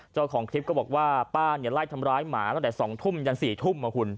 เจ้าของคลิปก็บอกว่าป้าไล่ทำร้ายหมาตั้งแต่๒ทุ่มยัน๔ทุ่ม